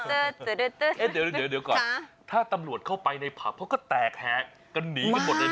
เอ๊ะเดี๋ยวแล้วก่อนถ้าตำรวจเข้าไปในภัพกสติดุก็แดกเนียนกันหนีกันหมดเลย